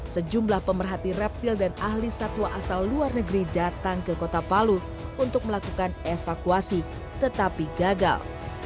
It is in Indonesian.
sejumlah pemerhati reptil dan ahli satwa asal luar negeri datang ke kota palu untuk melakukan evakuasi tetapi gagal